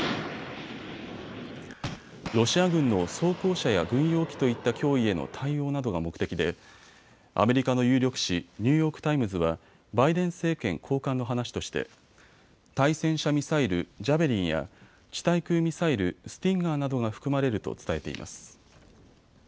ロシア軍の装甲車や軍用機といった脅威への対応などが目的でアメリカの有力紙、ニューヨーク・タイムズはバイデン政権高官の話として対戦車ミサイル、ジャベリンや地対空ミサイル、スティンガーなどが含まれると伝えています。